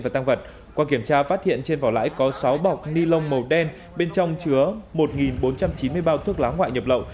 và tăng vật qua kiểm tra phát hiện trên vỏ lãi có sáu bọc ni lông màu đen bên trong chứa một bốn trăm chín mươi bao thuốc lá ngoại nhập lậu